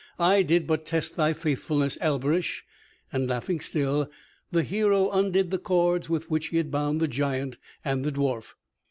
"I did but test thy faithfulness, Alberich," and laughing still, the hero undid the cords with which he had bound the giant and the dwarf.